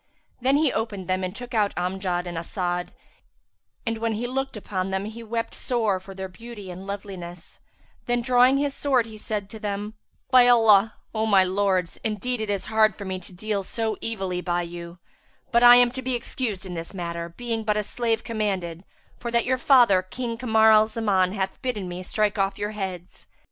Then he opened them and took out Amjad and As'ad; and when he looked upon them he wept sore for their beauty and loveliness; then drawing his sword he said to them, "By Allah, O my lords, indeed it is hard for me to deal so evilly by you; but I am to be excused in this matter, being but a slave commanded, for that your father King Kamar al Zaman hath bidden me strike off your heads."